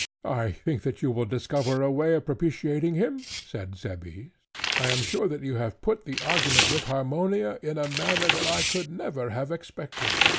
I think that you will discover a way of propitiating him, said Cebes; I am sure that you have put the argument with Harmonia in a manner that I could never have expected.